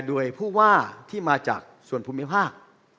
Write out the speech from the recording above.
โดยผู้ว่าที่มาจากส่วนภูมิภาค